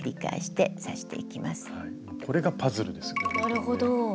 なるほど。